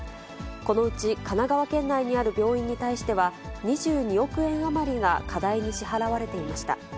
このうち神奈川県内にある病院に対しては、２２億円余りが課題に支払われていました。